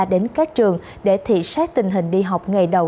đến các trường để thị xác tình hình đi học ngày đầu